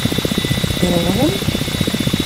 Tedreɣlem?